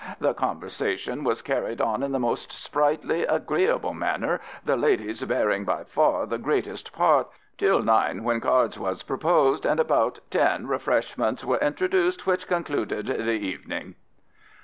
The conversation was carried on in the most sprightly, agreable manner, the Ladies bearing by far the greatest part till nine when cards was proposed, & about ten, refreshments were introduced which concluded the Evening.